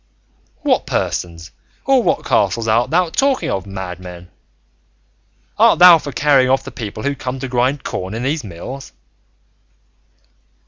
"What persons or what castle art thou talking of, madman? Art thou for carrying off the people who come to grind corn in these mills?"